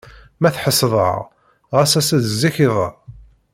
Ma tḥesseḍ-aɣ, ɣas as-d zik iḍ-a.